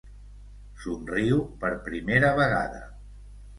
Somriu per primera vegada.